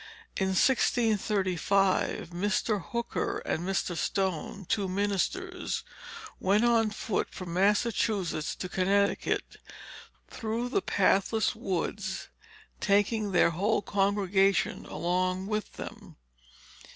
In 1635, Mr. Hooker and Mr. Stone, two ministers, went on foot from Massachusetts to Connecticut, through the pathless woods, taking their whole congregation along with them.